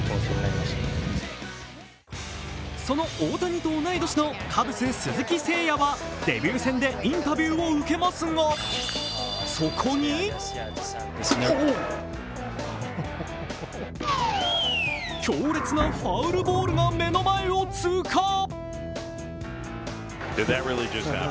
その大谷と同い年のカブス鈴木誠也はデビュー戦でインタビューを受けますがそこに強烈なファウルボールが目の前を通過。